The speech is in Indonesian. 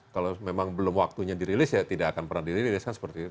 kalau memang belum waktunya dirilis ya tidak akan pernah dirilis